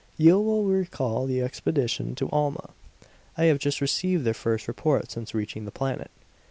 "You will recall the expedition to Alma. I have just received their first report since reaching the planet."